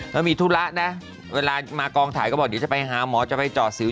แล้วมีธุระนะเวลามากองถ่ายก็บอกเดี๋ยวจะไปหาหมอจะไปจอดสิว